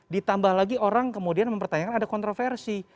ditambah lagi orang kemudian mempertanyakan ada kontroversi